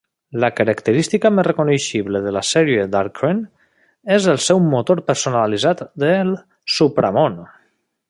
La característica més reconeixible de la sèrie "Drakkhen" és el seu motor personalitzat del supramón.